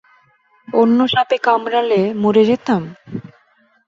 অন্য সাপে কামড়ালে মরে যেতাম?